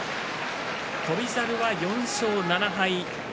翔猿は４勝７敗。